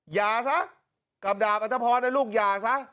หย่าซะกำดาบอัตภพรให้ลูกหย่าซะ